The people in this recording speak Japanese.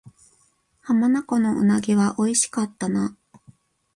浜名湖の鰻は美味しかったな